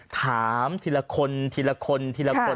ถามทีละคนทีละคนทีละคน